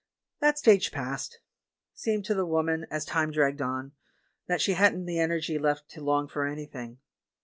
"That stage passed. Seemed to the woman, as time dragged on, that she hadn't the energy left to long for anything.